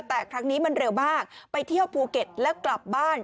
แต่ครั้งนี้มันเร็วมากไปเที่ยวภูเก็ตแล้วกลับบ้าน